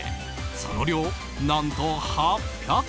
その量、何と８００ｇ。